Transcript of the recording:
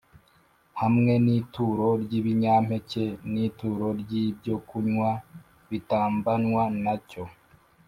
hamwe n ituro ry ibinyampeke n ituro ry ibyokunywa bitambanwa na cyo